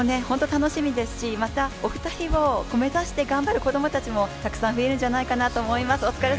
本当に楽しみですしまた、お二人を目指して頑張る子供たちもたくさんいるんじゃないかなと思います。